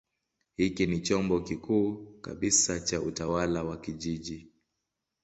Hiki ni chombo kikuu kabisa cha utawala wa kijiji.